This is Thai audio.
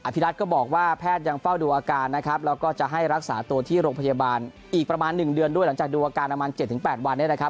พี่รัฐก็บอกว่าแพทย์ยังเฝ้าดูอาการนะครับแล้วก็จะให้รักษาตัวที่โรงพยาบาลอีกประมาณ๑เดือนด้วยหลังจากดูอาการประมาณ๗๘วันเนี่ยนะครับ